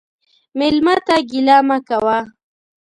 مېلمه ته ګیله مه کوه.